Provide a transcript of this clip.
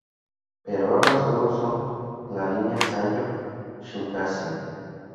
Pero ahora solo opera en la línea Sanyo Shinkansen.